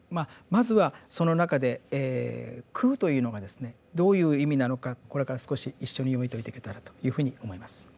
まずはその中で「空」というのがですねどういう意味なのかこれから少し一緒に読み解いていけたらというふうに思います。